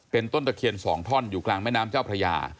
เป็นต้นตะเคียน๒ท่อนอยู่กลางแม่น้ำเจ้าพระยา